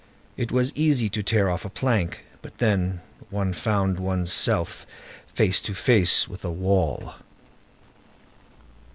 It was easy to tear off a plank; but then, one found one's self face to face with a wall.